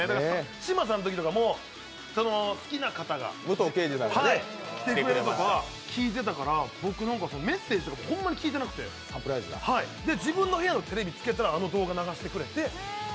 嶋佐のときとかも、好きな方が来てくれましたって聞いてて、メッセージとかほんまに聞いてなくて自分の部屋のテレビつけたらあの動画流してくれて。